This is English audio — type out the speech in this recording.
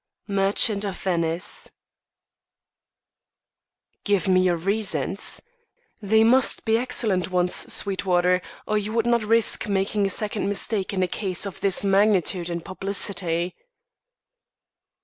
Merchant of Venice. "Give me your reasons. They must be excellent ones, Sweetwater, or you would not risk making a second mistake in a case of this magnitude and publicity."